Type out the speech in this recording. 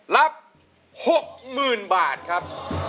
รับ๖๐๐๐บาทครับ